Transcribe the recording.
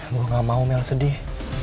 gue gak mau mel sedih